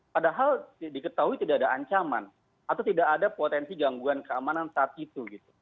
padahal diketahui tidak ada ancaman atau tidak ada potensi gangguan keamanan saat itu